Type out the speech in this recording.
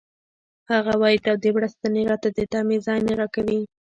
هغه وایی تودې بړستنې راته د دمې ځای نه راکوي